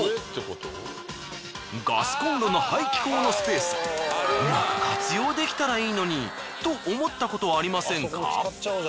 ガスコンロの排気口のスペースうまく活用できたらいいのに。と思ったことはありませんか？